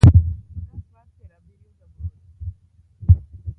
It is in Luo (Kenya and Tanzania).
otas mar piero abiriyo ga boro